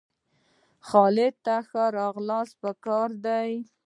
د خالد ښه راغلاست په کار دئ!